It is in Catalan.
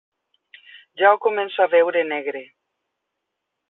Ja ho començo a veure negre.